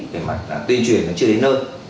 về mặt là tuyên truyền nó chưa đến nơi